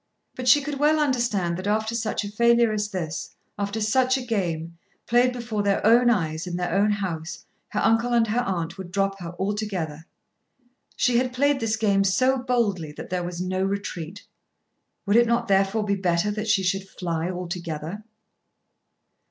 But she could well understand that after such a failure as this, after such a game, played before their own eyes in their own house, her uncle and her aunt would drop her altogether. She had played this game so boldly that there was no retreat. Would it not therefore be better that she should fly altogether?